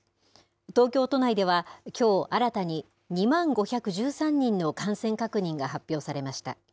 東京都内では、きょう新たに２万５１３人の感染確認が発表されました。